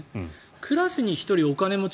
クラスに１人、お金持ち